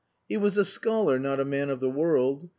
He was a scholar, not a man of the world.